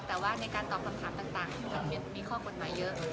แต่ว่าในการตอบคำถามต่างมีข้อกรมประมาณเยอะ